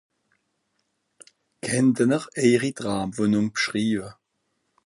kennten'r eijiri traam(venem) b'schrwieve